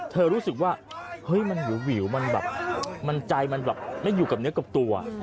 รู้สึกว่าเฮ้ยมันหิวมันแบบมันใจมันแบบไม่อยู่กับเนื้อกับตัว